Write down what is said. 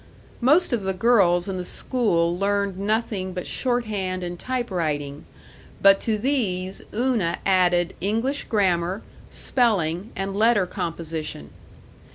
Most of the girls in the school learned nothing but shorthand and typewriting, but to these Una added English grammar, spelling, and letter composition.